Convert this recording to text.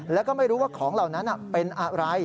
แล้วก็ไม่รู้ว่าของเหล่านั้นเป็นอะไร